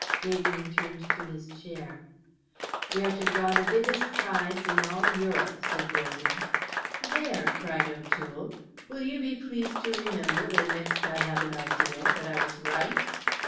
Gaydon returned to his chair. "We are to draw the biggest prize in all Europe," said Wogan. "There!" cried O'Toole. "Will you be pleased to remember when next I have an idea that I was right?"